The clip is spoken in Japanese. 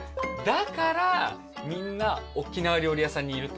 だからみんな沖縄料理屋さんにいるって事？